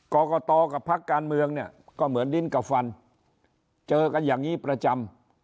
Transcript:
กรกตกับพักการเมืองเนี่ยก็เหมือนลิ้นกับฟันเจอกันอย่างนี้ประจำ